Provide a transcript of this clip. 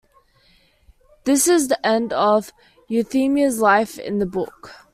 This is the end of Euphemia's life in the book.